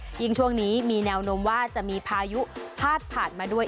ยิ่งช่วงนี้มีแนวโน้มว่าจะมีพายุพาดผ่านมาด้วย